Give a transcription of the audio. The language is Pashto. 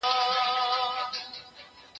شراکت خو له کمزورو سره ښایي